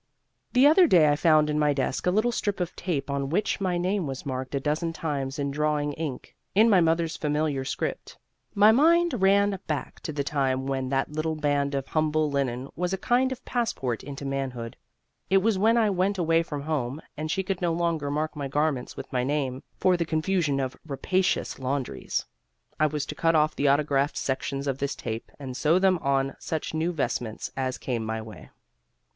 The other day I found in my desk a little strip of tape on which my name was marked a dozen times in drawing ink, in my mother's familiar script. My mind ran back to the time when that little band of humble linen was a kind of passport into manhood. It was when I went away from home and she could no longer mark my garments with my name, for the confusion of rapacious laundries. I was to cut off the autographed sections of this tape and sew them on such new vestments as came my way.